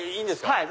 はい。